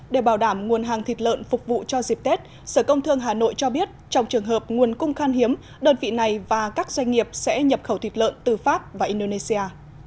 để bảo đảm nguồn hàng thịt lợn phục vụ cho dịp tết sở công thương hà nội cho biết trong trường hợp nguồn cung khan hiếm đơn vị này và các doanh nghiệp sẽ nhập khẩu thịt lợn từ pháp và indonesia